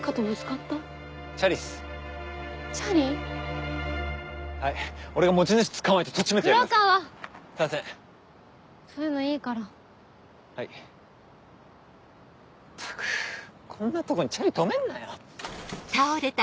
ったくこんなとこにチャリ止めんなよ。